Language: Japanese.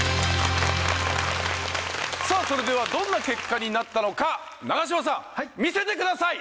さあそれではどんな結果になったのか永島さん見せてください